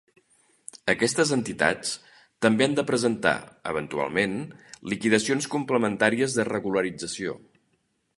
Aquestes entitats també han de presentar, eventualment, liquidacions complementàries de regularització.